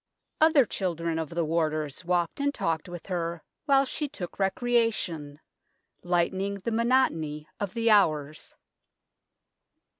Other children of the warders walked and talked with her while she took recreation, lightening the monotony of the hours.